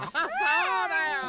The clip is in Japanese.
そうだよ。